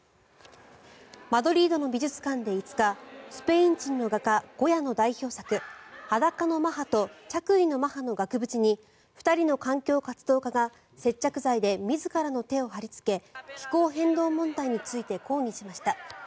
マドリードの美術館で５日スペイン人の画家、ゴヤの代表作「裸のマハ」と「着衣のマハ」の額縁に２人の環境活動家が接着剤で自らの手を貼りつけ気候変動問題について抗議しました。